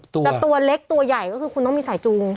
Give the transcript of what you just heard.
จะตัวเล็กตัวใหญ่ก็คือคุณต้องมีสายจูง